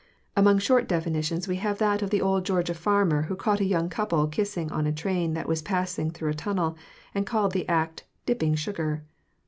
Among short definitions we have that of the old Georgia farmer who caught a young couple kissing on a train that was passing through a tunnel, and called the act "dipping sugar."